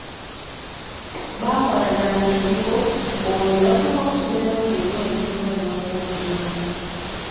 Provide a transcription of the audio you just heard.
Baakwatagananga ebigwo olwo ne batuuka ku ssomero ng’engoye ziringa ze bava okulimiramu.